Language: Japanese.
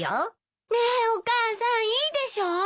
ねえお母さんいいでしょう？